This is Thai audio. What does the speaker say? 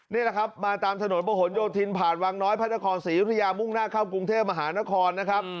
นี่แหละครับมาตามถนนประหลโยธินผ่านวังน้อยพระนครศรียุธยามุ่งหน้าเข้ากรุงเทพมหานครนะครับ